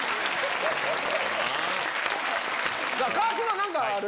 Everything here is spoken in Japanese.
川島、なんかある？